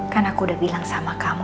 kan aku udah bilang sama kamu